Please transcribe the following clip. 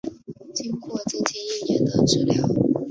经过接近一年的治疗